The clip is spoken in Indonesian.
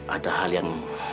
ada hal yang